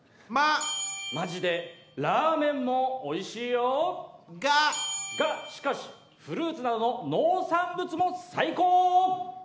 マジでラーメンもおいしいよ。がしかしフルーツなどの農産物も最高！